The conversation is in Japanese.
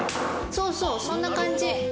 そうそうそんなかんじ。